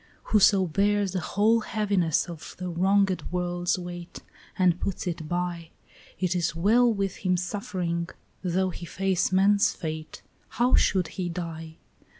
"Whoso bears the whole heaviness of the wronged world's weight And puts it by, It is well with him suffering, though he face man's fate; How should he die?